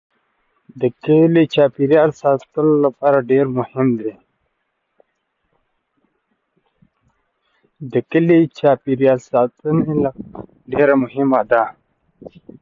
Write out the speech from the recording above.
کلي د چاپیریال ساتنې لپاره ډېر مهم دي.